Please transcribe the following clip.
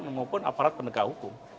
maupun aparat penegak hukum